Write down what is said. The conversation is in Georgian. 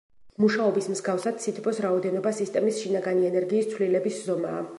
მუშაობის მსგავსად სითბოს რაოდენობა სისტემის შინაგანი ენერგიის ცვლილების ზომაა.